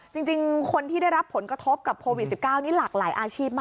จริงคนที่ได้รับผลกระทบกับโควิด๑๙นี่หลากหลายอาชีพมาก